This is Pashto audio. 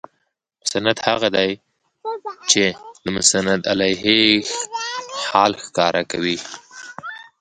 مسند هغه دئ، چي چي د مسندالیه حال ښکاره کوي.